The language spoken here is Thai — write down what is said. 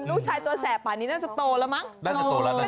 น้องตัวแสบปากนี้เนี่ยมันตกโตแล้วมัน